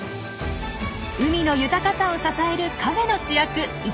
海の豊かさを支える影の主役イカナゴ。